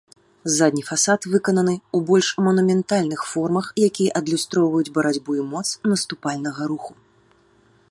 Задні фасад выкананы ў больш манументальных формах, якія адлюстроўваюць барацьбу і моц наступальнага руху.